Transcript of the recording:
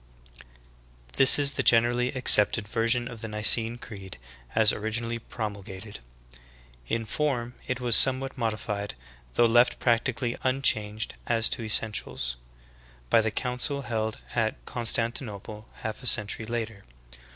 18. This is the generally accepted version of the Xicene Creed as originally promulgated. In form it was somewhat modified, though left practically unchanged as to essentials, by the council held at Constantinople half a century later.